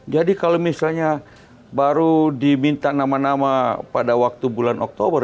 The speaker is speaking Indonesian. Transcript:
jadi kalau misalnya baru diminta nama nama pada waktu bulan oktober